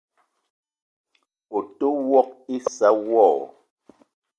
O te ouok issa wo?